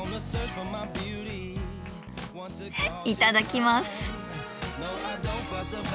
いただきます。